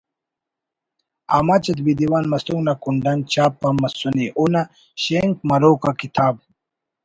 آماچ ادبی دیوان مستونگ نا کنڈ آن چھاپ ہم مسنے اونا شینک مروک آ کتاب